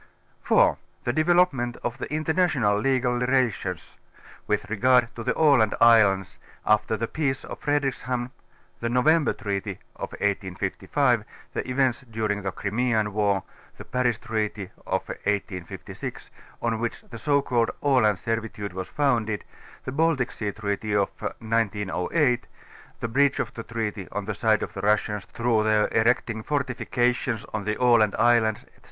4) The Developement of the International Legal Rela tions with regard to the Aland islands after the peace of Fredrikshamn (the November treaty of 1855, the events during the Crimean War, the Paris treaty of 1856, on which the so called Aland Serviture was founded, the Bal tic Sea treaty of 1908, the breach of the treaty on the side of the Russians through their erecting fortifications on the Aland islands, etc.)